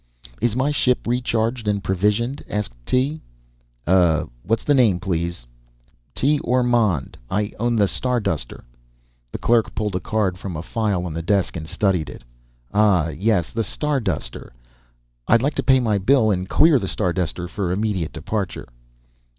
"Is my ship re charged and provisioned?" asked Tee. "Uh, what's the name please?" "Tee Ormond. I own the Starduster." The clerk pulled a card from a file on the desk and studied it. "Ah, yes, the Starduster." "I'd like to pay my bill and clear the Starduster for immediate departure."